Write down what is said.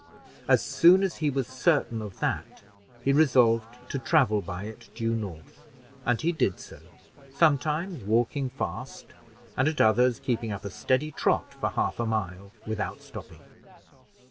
As soon as he was certain of that, he resolved to travel by it due north, and he did so, sometimes walking fast, and at others keeping up a steady trot for a half a mile without stopping.